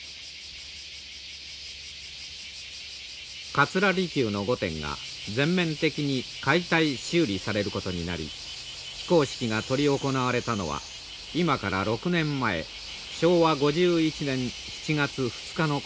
桂離宮の御殿が全面的に解体修理されることになり起工式が執り行われたのは今から６年前昭和５１年７月２日のことでした。